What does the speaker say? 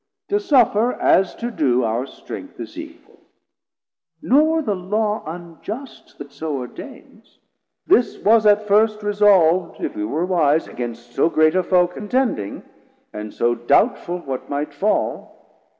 To suffer, as to doe, Our strength is equal, nor the Law unjust 200 That so ordains: this was at first resolv'd, If we were wise, against so great a foe Contending, and so doubtful what might fall.